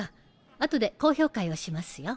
あとで講評会をしますよ。